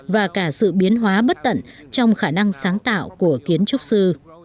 và cả sự biến hóa bất tận trong khả năng sáng tạo của kiến trúc sư